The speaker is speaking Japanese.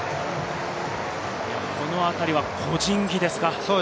このあたりは個人技ですか。